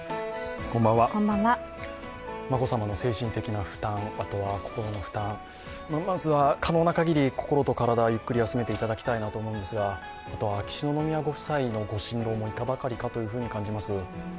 眞子さまの精神的な負担、あとは心の負担、まずは可能なかぎり、心と体をゆっくり休めていただきたいなと思うんですが、あとは秋篠宮ご夫妻のご心労もあったと思います。